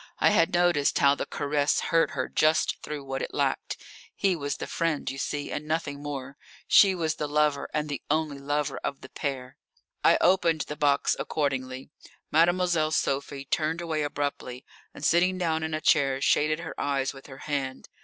I had noticed how the caress hurt her just through what it lacked. He was the friend, you see, and nothing more; she was the lover and the only lover of the pair. I opened the box accordingly. Mademoiselle Sophie turned away abruptly, and sitting down in a chair shaded her eyes with her hand.